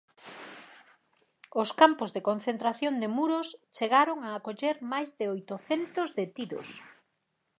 Os campos de concentración de Muros chegaron a acoller máis de oitocentos detidos.